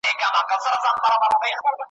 دغو ستورو هم ليدلو ,